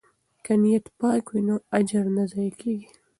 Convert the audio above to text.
که نیت پاک وي نو اجر نه ضایع کیږي.